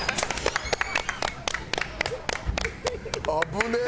危ねえ！